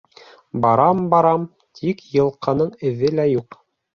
Барам-барам, тик йылҡының эҙе лә юҡ.